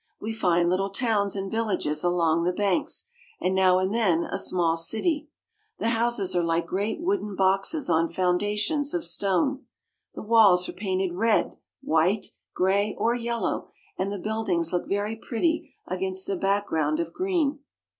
We find little towns and villages along the banks, and now and then a small city. The houses are like great wooden boxes on foundations of stone. The i66 SCANDINAVIA. walls are painted red, white, gray, or yellow, and the build ings look very pretty against the background of green.